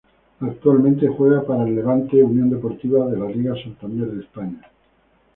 Actualmente juega para el Levante U. D. de la Liga Santander de España.